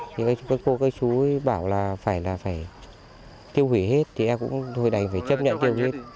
thì các cô các chú bảo là phải tiêu hủy hết thì em cũng đòi đành phải chấp nhận tiêu hủy hết